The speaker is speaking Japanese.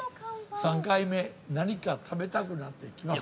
３回目、何か食べたくなってきます。